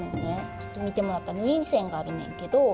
ちょっと見てもらったら縫い線があるねんけど。